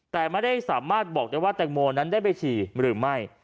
แต่ไม่ได้สามารถบอกได้ว่าแตงโมนั้นได้ไปฉี่หรือไม่